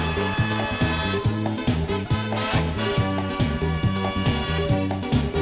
รับทราบ